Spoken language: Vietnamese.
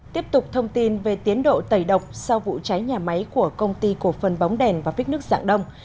tiếp tục thông tin về tiến độ tẩy độc sau vụ cháy nhà máy của công ty cổ phân bóng đèn và vít nước dạng đông